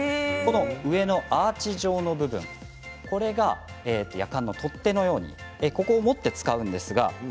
上のアーチ状の部分これがやかんの取っ手のようにここを持って使うんです。